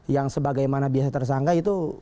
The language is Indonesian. yang sebagaimana biasa tersangka itu